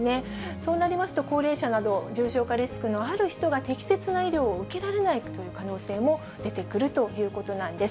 そうなりますと、高齢者など重症化リスクのある人が適切な医療を受けられないという可能性も出てくるということなんです。